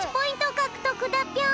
かくとくだぴょん！